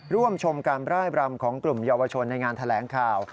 ร่วมชมการร่ายรำของกลุ่มเยาวชนในงานแถลงข่าว